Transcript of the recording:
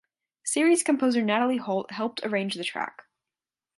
Series composer Natalie Holt helped arrange the track.